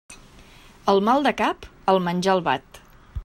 El mal de cap, el menjar el bat.